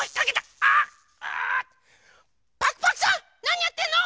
なにやってんの？